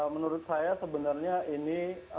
menurut saya sebenarnya ini